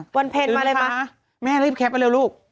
วันเพลงมาเลยมั้ยตื่นค่ะแม่รีบแคปไปเร็วลูก